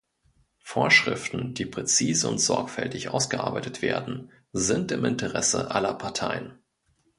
Vorschriften, die präzise und sorgfältig ausgearbeitet werden, sind im Interesse aller Parteien.